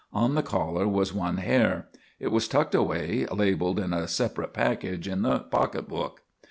On the collar was one hair. It was tucked away, labeled, in a separate package in the pocketbook.